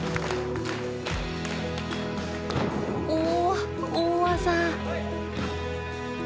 おっ大技！